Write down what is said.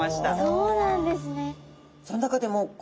そうなんですね。